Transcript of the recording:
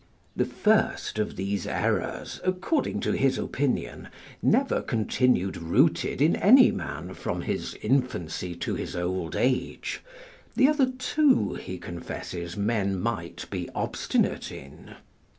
The first of these errors (according to his opinion, never continued rooted in any man from his infancy to his old age); the other two, he confesses, men might be obstinate in.